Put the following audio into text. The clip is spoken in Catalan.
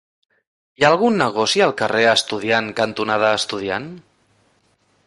Hi ha algun negoci al carrer Estudiant cantonada Estudiant?